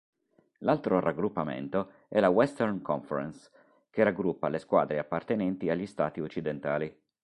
L'altro raggruppamento è la Western Conference, che raggruppa le squadre appartenenti agli stati occidentali.